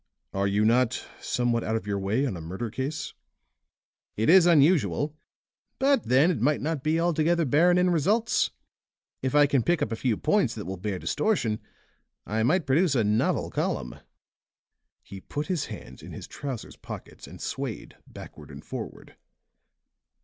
Are you not somewhat out of your way on a murder case?" "It is unusual. But then it might not be altogether barren in results. If I can pick up a few points that will bear distortion, I might produce a novel column." He put his hands in his trousers pockets and swayed backward and forward.